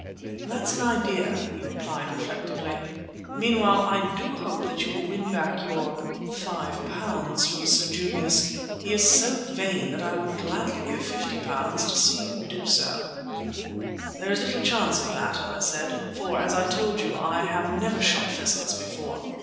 "That's an idea," he replied reflectively. "Meanwhile, I do hope that you will win back your—£5 from Sir Junius. He is so vain that I would gladly give £50 to see you do so." "There is little chance of that," I said, "for, as I told you, I have never shot pheasants before.